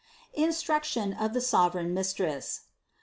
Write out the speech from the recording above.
INSTRUCTION OF THE SOVEREIGN MISTRESS.